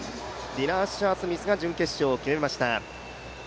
ディナ・アッシャースミスが準決勝を決めました。